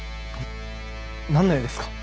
なんの用ですか？